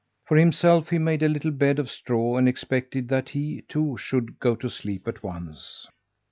For himself, he made a little bed of straw and expected that he, too, should go to sleep at once.